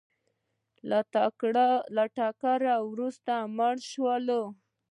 له ټکر وروسته مړه شول